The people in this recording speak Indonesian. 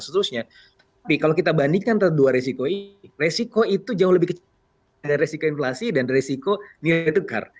tapi kalau kita bandingkan antara dua resiko ini resiko itu jauh lebih kecil dari resiko inflasi dan resiko nilai tukar